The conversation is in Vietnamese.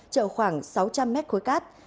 trở khoảng sáu trăm linh mét khối cát